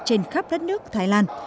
trên khắp đất nước thái lan